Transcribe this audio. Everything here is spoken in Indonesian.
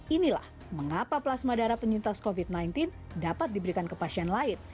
inilah mengapa plasma darah penyintas covid sembilan belas dapat diberikan ke pasien lain